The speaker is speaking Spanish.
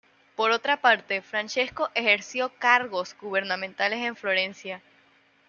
Por otra parte, Francesco ejerció cargos gubernamentales en Florencia.